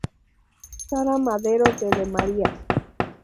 Sara Madero de Demaría.